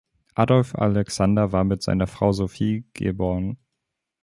Adolph Alexander war mit seiner Frau Sophie, geb.